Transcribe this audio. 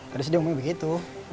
tadi sih dia omongnya begitu